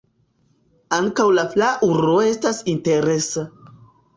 Ankaŭ la flaŭro estas interesa.